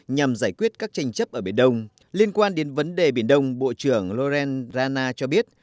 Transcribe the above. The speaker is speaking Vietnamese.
nhằm giải quyết các tranh chấp ở biển đông liên quan đến vấn đề biển đông bộ trưởng loren rana cho biết